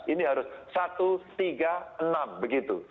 ini harus satu tiga enam begitu